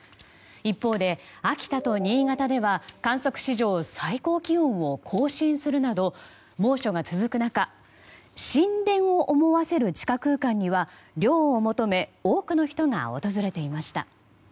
一方で、秋田と新潟では観測史上最高気温を更新するなど猛暑が続く中、神殿を思わせる地下空間には涼を求め、多くの人が訪れていました。